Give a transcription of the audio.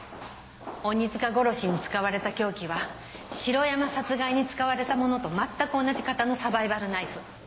鬼塚殺しに使われた凶器は城山殺害に使われたものとまったく同じ型のサバイバルナイフ。